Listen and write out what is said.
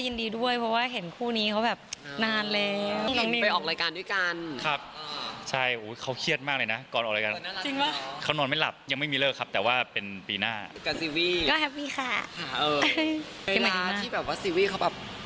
เรียกปุ๊บแล้วเราจะหยิงแหละค่ะ